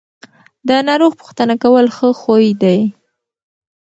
د ناروغ پوښتنه کول ښه خوی دی.